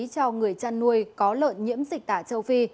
cho người chăn nuôi có lợn nhiễm dịch tả châu phi